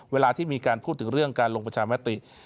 เวลาที่มีการพูดถึงเรื่องการลงประชามติ